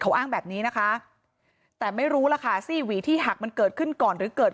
เขาอ้างแบบนี้นะคะแต่ไม่รู้ล่ะค่ะซี่หวีที่หักมันเกิดขึ้นก่อนหรือเกิด